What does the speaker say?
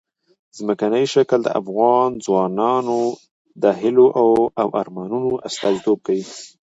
ځمکنی شکل د افغان ځوانانو د هیلو او ارمانونو استازیتوب کوي.